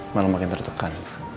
malah makin tertekan